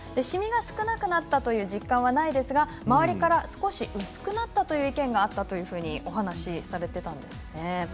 シミが少なくなったという実感はないんですが周りから少し薄くなったという意見があったというふうにお話ししていました。